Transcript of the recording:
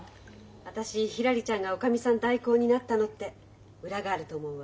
私ひらりちゃんがおかみさん代行になったのって裏があると思うわ。